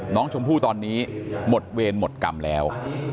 น้องชมพู่ตอนนี้หมดเวรหมดกรรมแล้ว